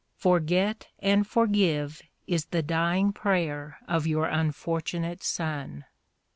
Forget and forgive is the dying prayer of your unfortunate son."